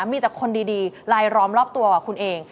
มีแต่คนดีลายล้อมรอบตัวคุณเอง